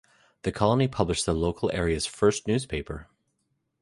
The colony published the local area's first newspaper.